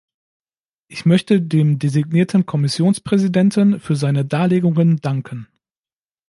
Ich möchte dem designierten Kommissionspräsidenten für seine Darlegungen danken.